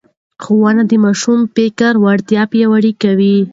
ښوونې د ماشوم فکري وړتیا پياوړې کوي.